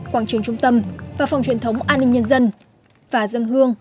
quảng trường trung tâm và phòng truyền thống an ninh nhân dân và dân hương